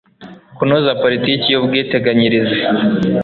kunoza politiki y'ubwiteganyirize